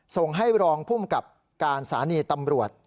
ส่งให้รองภูมิกับการสถานีตำรวจ